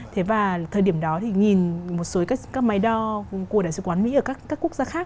thế và thời điểm đó thì nhìn một số các máy đo của đại sứ quán mỹ ở các quốc gia khác